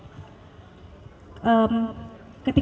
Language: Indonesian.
itu saudara terima konten gak dari calon jemaah yang gak berangkat ya